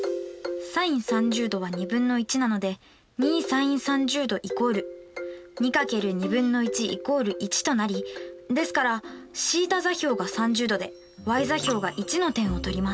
ｓｉｎ３０°は２分の１なので２ｓｉｎ３０°＝２×２分の１＝１となりですからθ座標が３０°でｙ座標が１の点を取ります。